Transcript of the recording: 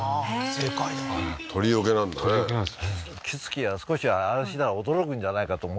正解だ鳥よけなんだね鳥よけなんですねはははっ